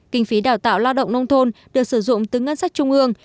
kinh phí đào tạo lao động nông thôn được sử dụng từ ngân sách trung ương